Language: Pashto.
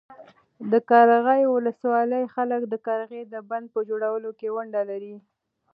د قرغیو ولسوالۍ خلک د قرغې د بند په جوړولو کې ونډه لري.